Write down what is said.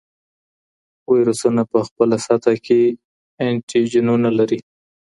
ویروسونه پخپله سطحه کې انټيجنونه لري.